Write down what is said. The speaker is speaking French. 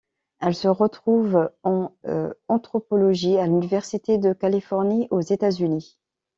Elle se retrouve en anthropologie à l'Université de Californie aux États-Unis.